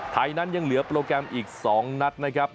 ไทยนั้นยังเหลือโปรแกรมอีก๒นัดนะครับ